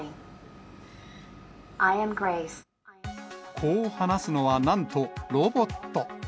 こう話すのは、なんとロボット。